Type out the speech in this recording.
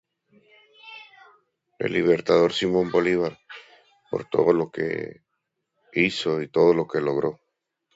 El Libertador Simón Bolívar por todo lo que hizo y todo lo que logró.